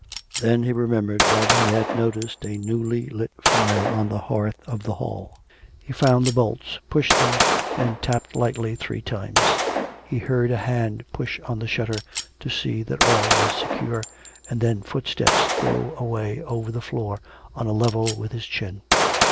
Then he remembered that he had noticed a newly lit fire on the hearth of the hall. .., He found the bolts, pushed them, and tapped lightly three times. He heard a hand push on the shutter to see that all was secure, and then footsteps go away over the floor on a level with his chin.